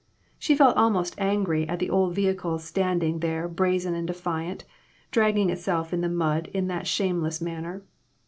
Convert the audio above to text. She felt almost angry at the old vehicle stand ing there brazen and defiant, dragging itself in the mud in that shameless manner.